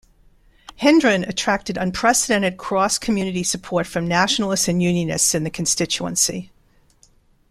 Hendron attracted unprecedented cross-community support from Nationalists and Unionists in the constituency.